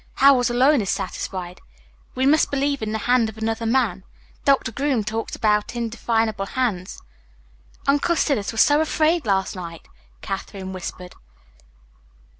Howells alone is satisfied. We must believe in the hand of another man. Doctor Groom talks about indefinable hands." "Uncle Silas was so afraid last night!" Katherine whispered.